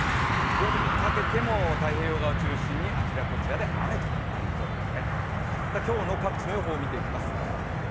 夜にかけても太平洋側を中心にあちらこちらで雨となりそうです。